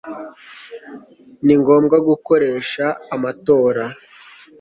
ni ngombwa gukoresha amatora